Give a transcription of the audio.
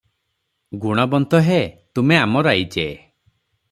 "ଗୁଣବନ୍ତ ହେ ତୁମେ ଆମ ରାଇଜେ